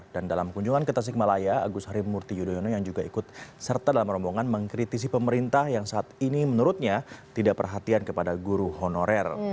dan dalam kunjungan ke tasikmalaya agus harimurti yudhoyono yang juga ikut serta dalam rombongan mengkritisi pemerintah yang saat ini menurutnya tidak perhatian kepada guru honorer